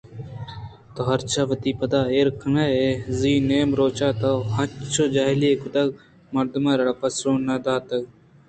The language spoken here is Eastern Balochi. تو ہرجاہ وتی پداں ایر کن ئے زی نیم روچ ءَ تو انچو جاہلی ئے کُتگءُمرد ءَ را پسو نہ داتگ